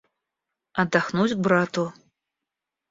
Отдохнуть к брату.